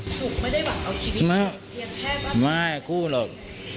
จุกไม่ได้หวังเอาชีวิตแค่บ้านไม่คู่หรอก